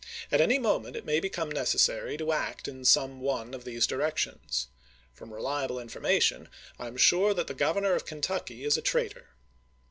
At any moment it may become necessary to act in some one of these directions. From reliable infor mation I am sure that the Governor of Kentucky is a traitor.